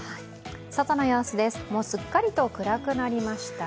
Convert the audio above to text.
外の様子です、すっかりと暗くなりました。